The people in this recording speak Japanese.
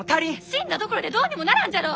死んだところでどうにもならんじゃろ！